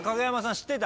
知ってた？